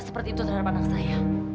seperti itu terhadap anak saya